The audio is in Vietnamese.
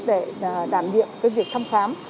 để đảm nhiệm việc thăm khám